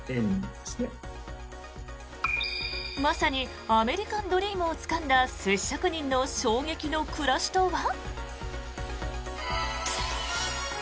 まさにアメリカンドリームをつかんだ寿司職人の衝撃の暮らしとは。